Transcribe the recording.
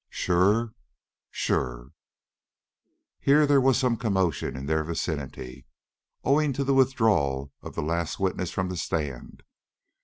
"Sure?" "Sure!" Here there was some commotion in their vicinity, owing to the withdrawal of the last witness from the stand.